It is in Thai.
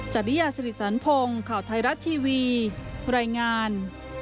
จริยาสิริสันพงศ์ข่าวไทยรัฐทีวีรายงาน